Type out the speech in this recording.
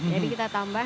jadi kita tambah